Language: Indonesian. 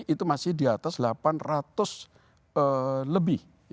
itu masih di atas delapan ratus lebih